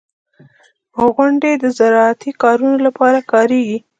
• غونډۍ د زراعتي کارونو لپاره کارېږي.